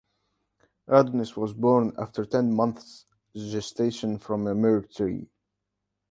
Adonis was born after ten months' gestation from a myrrh tree.